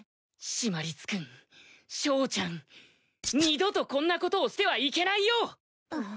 シマリス君ショーちゃん二度とこんなことをしてはいけないよ。